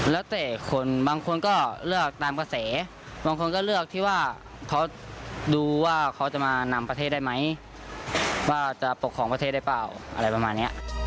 แล้วแต่บางคนก็เลือกตามกระแส